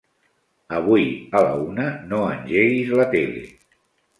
Avui a la una no engeguis la tele.